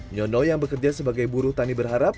nyono yang bekerja sebagai buruh tani berharap